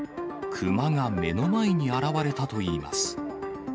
熊が目の前に現れたといいます。